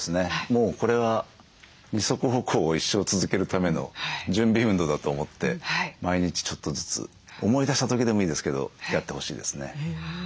もうこれは二足歩行を一生続けるための準備運動だと思って毎日ちょっとずつ思い出した時でもいいですけどやってほしいですね。